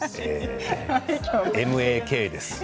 ＭＡＫです。